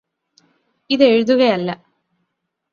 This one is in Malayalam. ഇത് എഴുതുകയല്ല